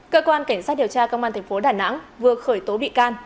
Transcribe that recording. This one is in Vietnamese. cơ quan cảnh sát điều tra công an tp đà nẵng vừa khởi tố bị can